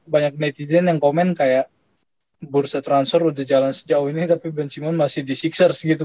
banyak netizen yang komen kayak bursa transfer udah jalan sejauh ini tapi ben simmons masih di sixers gitu